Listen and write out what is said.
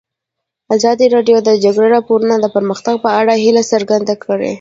ازادي راډیو د د جګړې راپورونه د پرمختګ په اړه هیله څرګنده کړې.